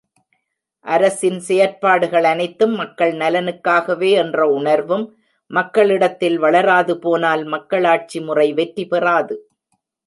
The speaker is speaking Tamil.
அரசின் செயற்பாடுகள் அனைத்தும் மக்கள் நலனுக்காகவே என்ற உணர்வும் மக்களிடத்தில் வளராது போனால் மக்களாட்சி முறை வெற்றி பெறாது.